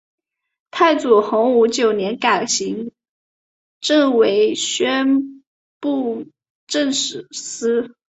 太祖洪武九年改行省为承宣布政使司。